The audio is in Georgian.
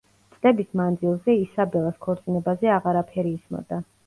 წლების მანძილზე ისაბელას ქორწინებაზე აღარაფერი ისმოდა.